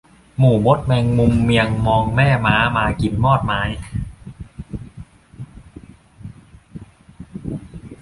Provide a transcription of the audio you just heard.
หมู่มดแมงมุมเมียงมองแม่ม้ามากินมอดไม้